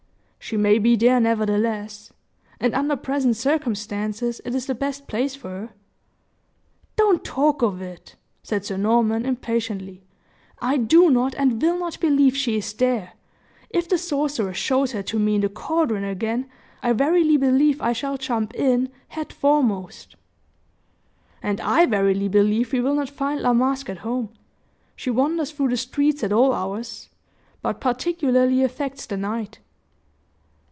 "She may be there, nevertheless; and under present circumstances, it is the best place for her." "Don't talk of it!" said Sir Norman, impatiently. "I do not and will not believe she is there! If the sorceress shows her to me in the caldron again, I verily believe I shall jump in head foremost." "And I verily believe we will not find La Masque at home. She wanders through the streets at all hours, but particularly affects the night."